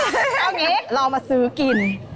เอาอย่างนี้เรามาซื้อกิน